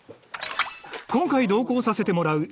今回同行させてもらうこの道